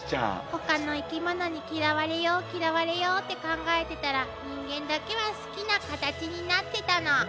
他の生き物に嫌われよう嫌われようって考えてたら人間だけは好きなカタチになってたの。